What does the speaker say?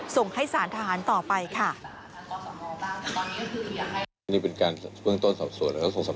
ส่งให้สารทหารต่อไปค่ะ